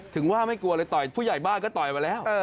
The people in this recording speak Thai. ถึงว่าไม่กลัวเลยต่อยผู้ใหญ่บ้านก็ต่อยมาแล้ว